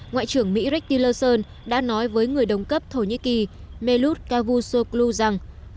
ngoại trưởng mỹ rick tillerson đã nói với người đồng cấp thổ nhĩ kỳ melut cavusoglu rằng